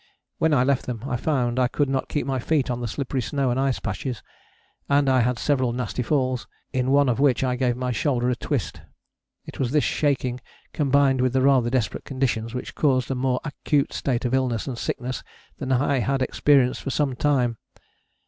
When I left them I found I could not keep my feet on the slippery snow and ice patches, and I had several nasty falls, in one of which I gave my shoulder a twist. It was this shaking combined with the rather desperate conditions which caused a more acute state of illness and sickness than I had experienced for some time.